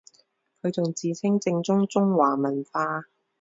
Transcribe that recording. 佢仲自稱正宗中華文化